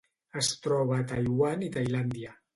Es troba a Taiwan i Tailàndia.